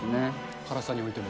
辛さにおいても。